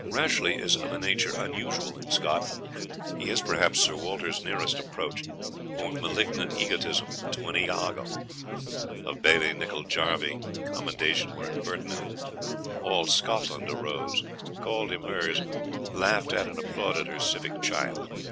Rashleigh is of a nature unusual in Scott. He is, perhaps, Sir Walter's nearest approach, for malignant egotism, to an Iago. Of Bailie Nicol Jarvie commendation were impertinent. All Scotland arose, called him hers, laughed at and applauded her civic child.